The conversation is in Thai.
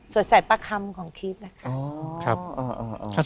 สวดใส่ปลาคำของคริสต์นะครับ